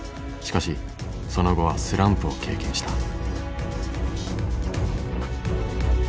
しかしその後はスランプを経験した。